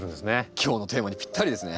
今日のテーマにぴったりですね。